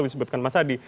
disebutkan mas hadi